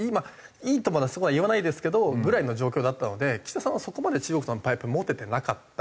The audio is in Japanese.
いいとまではそこまでは言わないですけどぐらいの状況だったので岸田さんはそこまで中国とのパイプ持ててなかった。